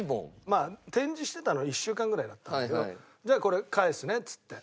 まあ展示してたのは１週間ぐらいだったんだけど「じゃあこれ返すね」っつって。